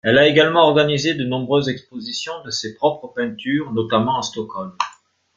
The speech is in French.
Elle a également organisé de nombreuses expositions de ses propres peintures, notamment à Stockholm.